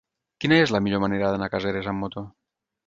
Quina és la millor manera d'anar a Caseres amb moto?